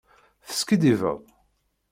Teskiddibeḍ.